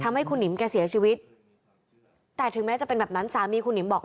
ทำให้คุณหนิมแกเสียชีวิตแต่ถึงแม้จะเป็นแบบนั้นสามีคุณหนิมบอก